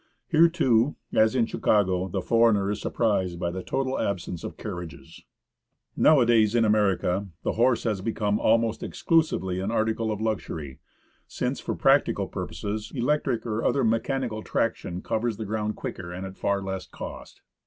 Here too, as in Chicago, the foreigner is surprised by the total absence of carriages. Nowadays in America the horse has become almost exclusively THE SHASTA VOLCANO. an article of luxury, since for practical purposes, electric or other mechanical traction covers the ground quicker and at far less cost.